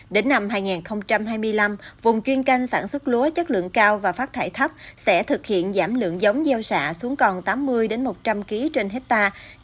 đến năm hai nghìn hai mươi năm vùng chuyên canh sản xuất lúa chất lượng cao và phát thải thấp sẽ thực hiện giảm lượng giống gieo xạ xuống còn tám mươi một trăm linh kg trên hectare